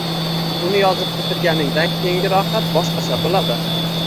Uni yozib bitirganingdan keyingi rohat boshqacha bo‘ladi.